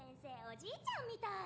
おじいちゃんみたい。